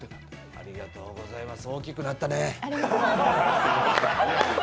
ありがとうございます。